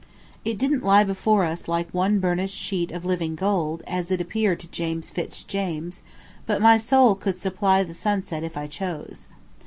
It didn't lie before us like "one burnished sheet of living gold," as it appeared to James Fitz James but my soul could supply the sunset if I chose.